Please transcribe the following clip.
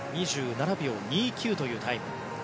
２７秒２９というタイム。